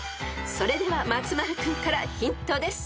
［それでは松丸君からヒントです］